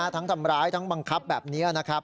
ทั้งทำร้ายทั้งบังคับแบบนี้